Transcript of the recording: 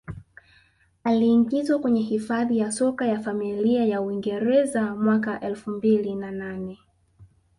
Aliingizwa kwenye Hifadhi ya Soka ya Familia ya Uingereza mwaka elfu mbili na nane